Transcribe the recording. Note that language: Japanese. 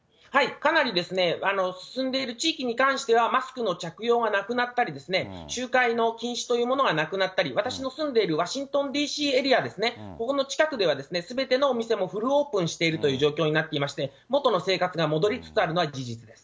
かなり進んでいる地域に関しては、マスクの着用がなくなったり、集会の禁止というものがなくなったり、私の住んでいるワシントンＤＣエリアでは、ここの近くではすべてのお店もフルオープンしているという状況になっておりまして、元の生活が戻りつつあるのは事実です。